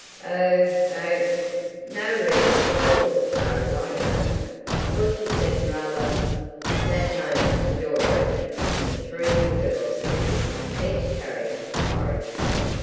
"O oh! No reason at all as far as I know. I thought you seemed rather—" At that moment the door opened and the three little girls appeared, each carrying a porridge plate.